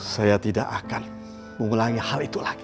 saya tidak akan mengulangi hal itu lagi